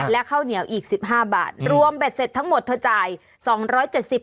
และข้าวเหนียวอีกสิบห้าบาทรวมเบ็ดเสร็จทั้งหมดเธอจ่าย๒๗๐บาท